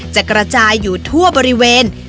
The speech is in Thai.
จะกระจายอยู่ทั่วบริเวณ